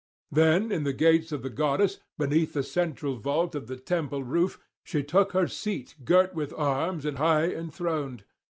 Then in the gates of the goddess, beneath the central vault of the temple roof, she took her seat girt with arms and high enthroned.